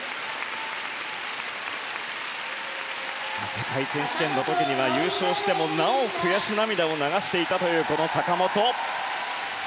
世界選手権の時には、優勝してもなお悔し涙を流していたという坂本。